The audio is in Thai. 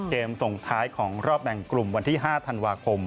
ส่งท้ายของรอบแบ่งกลุ่มวันที่๕ธันวาคม